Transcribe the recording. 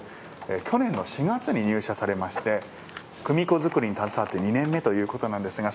去年の４月に入社されまして組子作りに携わって２年目ということなんですが。